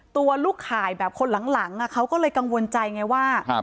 ตัวลูกข่ายแบบคนหลังเขาก็เลยกังวลใจไงว่า